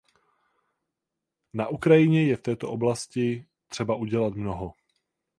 Na Ukrajině je v této oblasti třeba udělat mnoho.